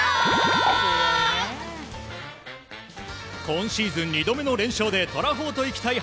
今シーズン２度目の連勝でとらほーといきたい